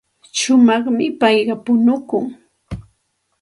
Shumaqmi payqa punukun.